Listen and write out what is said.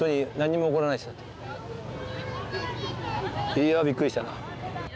いやびっくりしたな。